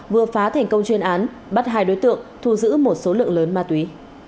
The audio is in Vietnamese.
vừa phá thành công chuyên án bắt hai đối tượng thu giữ một số lượng lớn ma túy